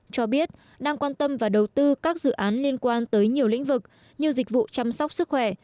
cho biết đang quan tâm và đầu tư các dự án liên quan tới nhiều lĩnh vực như dịch vụ chăm sóc sức khỏe